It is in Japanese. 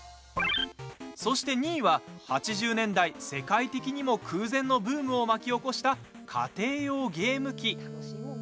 そして２位は、８０年代世界的にも空前のブームを巻き起こした、家庭用ゲーム機。